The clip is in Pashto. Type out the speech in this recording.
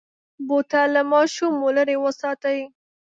بوتل له ماشومو لرې وساتئ.